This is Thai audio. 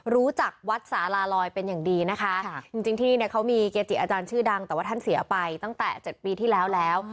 รู้จักวัดสาลาลอยเป็นอย่างดีนะคะจริงที่นี่เนี่ยเขามีเกจิอาจารย์ชื่อดังแต่ว่าท่านเสียไปตั้งแต่๗ปีที่แล้วแล้ว